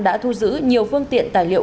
đã thu giữ nhiều phương tiện tài liệu